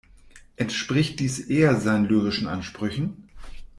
Entspricht dies eher seinen lyrischen Ansprüchen?